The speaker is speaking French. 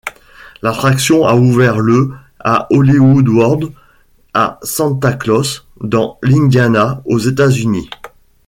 L'attraction a ouvert le à Holiday World, à Santa Claus, dans l'Indiana, aux États-Unis.